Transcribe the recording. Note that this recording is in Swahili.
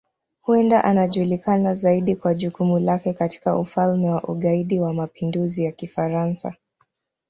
Huenda anajulikana zaidi kwa jukumu lake katika Ufalme wa Ugaidi wa Mapinduzi ya Kifaransa.